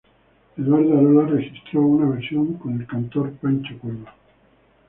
Eduardo Arolas registró una versión con el cantor Pancho Cueva.